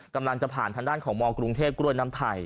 กำลังจะผ่านทางด้านของมกรุงเทพกล้วยน้ำไทย